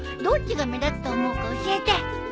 どっちが目立つと思うか教えて。